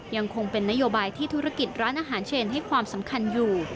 ยังคงเป็นนโยบายที่ธุรกิจร้านอาหารเชนให้ความสำคัญอยู่